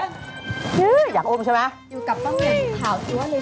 อยู่กับต้องกินขาวซัวร์เลย